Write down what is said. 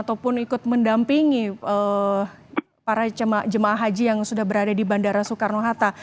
ataupun ikut mendampingi para jemaah haji yang sudah berada di bandara soekarno hatta